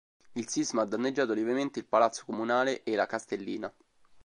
Il sisma ha danneggiato lievemente il Palazzo Comunale e la Castellina.